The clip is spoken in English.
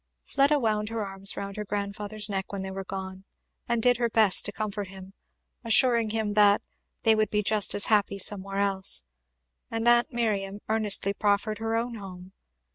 Fleda wound her arms round her grandfather's neck when they were gone, and did her best to comfort him, assuring him that "they would be just as happy somewhere else." And aunt Miriam earnestly proffered her own home.